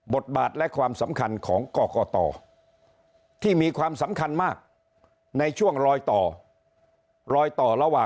บทบาทและความสำคัญของกกตที่มีความสำคัญมากในช่วงลอยต่อ